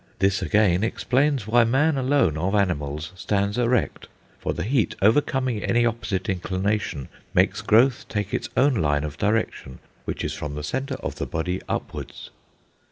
This again explains why man alone of animals stands erect. For the heat, overcoming any opposite inclination, makes growth take its own line of direction, which is from the centre of the body upwards....